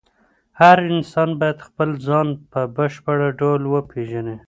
هر انسان باید خپل ځان په بشپړ ډول وپیژني.